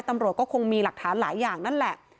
ตำรวจก็คงมีหลักฐานหลายอย่างนั่นแหละ